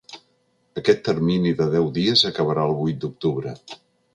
Aquest termini de deu dies acabarà el vuit d’octubre.